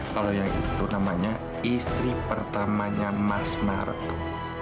kalau yang itu namanya istri pertamanya mas marto